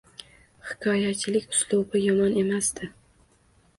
Hikoyachilik uslubi yomon emas edi.